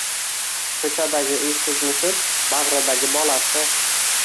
Ko’chadagi uysiz mushuk bag’ridagi bolasi